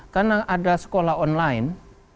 karena ada sekolah online